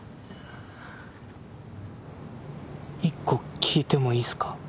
１個聞いてもいいっすか？